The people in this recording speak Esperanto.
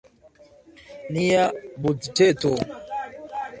Nia budĝeto.